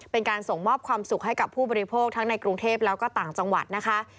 เป็นการส่งมอบความสุขให้กับผู้บริโภคทั้งในกรุงเทพแล้วก็ต่างจังหวัดนะคะ